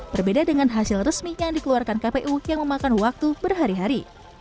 berbeda dengan hasil resmi yang dikeluarkan kpu yang memakan waktu berhari hari